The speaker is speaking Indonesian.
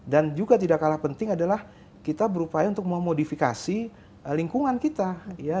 dan juga tidak kalah penting adalah kita berupaya untuk memodifikasi lingkungan kita ya